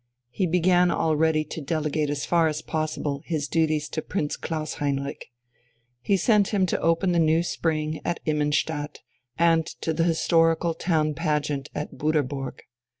He began already to delegate as far as possible his duties to Prince Klaus Heinrich. He sent him to open the new spring at Immenstadt and to the historical town pageant at Butterburg.